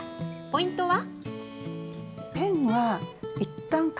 ポイントは。